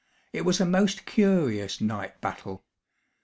It was a most curious night battle.